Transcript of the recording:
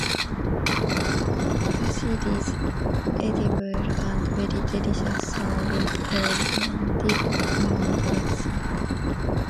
The seed is edible and very delicious served cold when dipped in dressing.